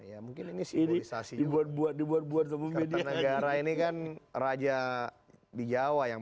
ya mungkin ini sih disasih buat buat dibuat buat sebuah media negara ini kan raja di jawa yang